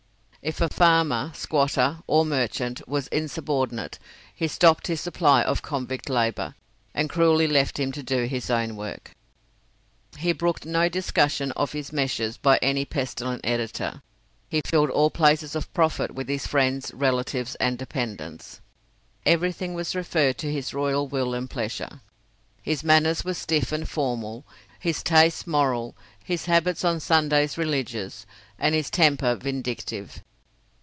If a farmer, squatter, or merchant was insubordinate, he stopped his supply of convict labour, and cruelly left him to do his own work. He brooked no discussion of his measures by any pestilent editor. He filled all places of profit with his friends, relatives, and dependents. Everything was referred to his royal will and pleasure. His manners were stiff and formal, his tastes moral, his habits on Sundays religious, and his temper vindictive.